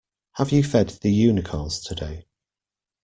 Have you fed the unicorns today?